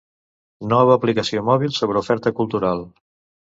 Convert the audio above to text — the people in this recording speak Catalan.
Nova aplicació mòbil sobre oferta cultural.